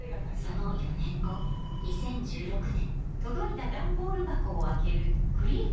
その４年後２０１６年『